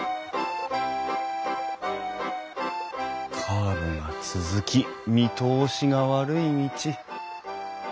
カーブが続き見通しが悪い道。